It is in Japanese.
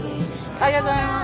ありがとうございます。